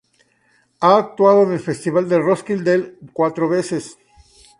Ha actuado en el Festival de Roskilde cuatro veces.